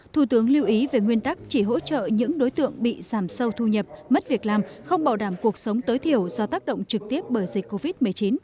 thủ tướng lưu ý về nguyên tắc chỉ hỗ trợ những đối tượng bị giảm sâu thu nhập mất việc làm không bảo đảm cuộc sống tối thiểu do tác động trực tiếp bởi dịch covid một mươi chín